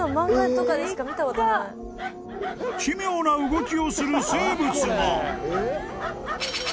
［奇妙な動きをする生物が］